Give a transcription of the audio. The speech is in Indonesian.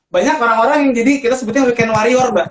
banyak orang orang yang jadi kita sebutnya weekend warrior mbak